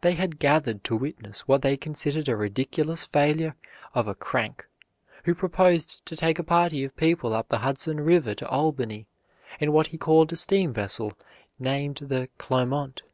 They had gathered to witness what they considered a ridiculous failure of a "crank" who proposed to take a party of people up the Hudson River to Albany in what he called a steam vessel named the Clermont.